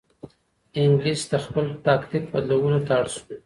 انګلیس د خپل تاکتیک بدلولو ته اړ شو.